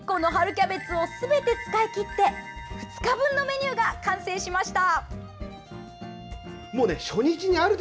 キャベツをすべて使い切って２日分のメニューが完成しました。